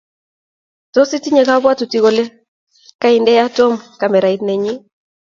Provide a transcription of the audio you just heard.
tos itinye kapwatutik kole kaindena tom kamerait nenyii